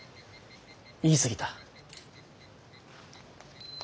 言い過ぎた。